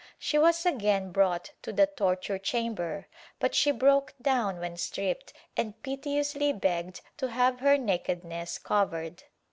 She was again brought to the torture chamber but she broke down when stripped and piteously begged to have her nakedness covered.